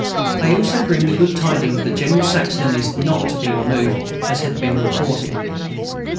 They also bring the good tidings that General Saxton is not to be removed, as had been reported.